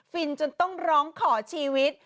จนต้องร้องขอชีวิต